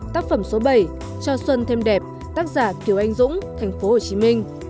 tác phẩm số bảy cho xuân thêm đẹp tác giả kiều anh dũng tp hcm